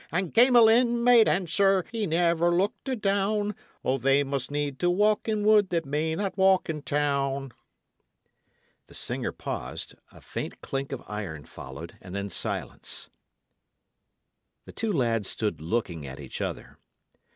And Gamelyn made answer he looked never adown: 'O, they must need to walk in wood that may not walk in town!'" The singer paused, a faint clink of iron followed, and then silence. The two lads stood looking at each other.